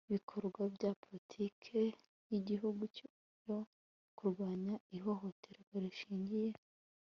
bikorwa rya politiki y igihugu yo kurwanya ihohoterwa rishingiye